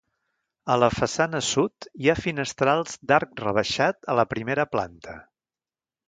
A la façana sud hi ha finestrals d'arc rebaixat a la primera planta.